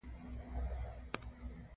پادري بزګرانو ته د عبادت لارښوونه کوي.